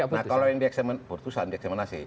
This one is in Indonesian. nah kalau yang di eksamen putusan di eksaminasi